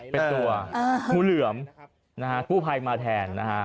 เป็นตัวงูเหลือมนะฮะกู้ภัยมาแทนนะฮะ